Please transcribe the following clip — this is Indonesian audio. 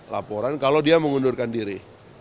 laporan kalau dia mengundurkan diri